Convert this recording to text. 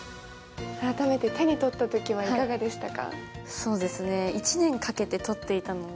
改めて手に取ったときは、いかがでしたか？